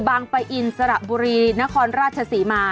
ปะอินสระบุรีนครราชศรีมา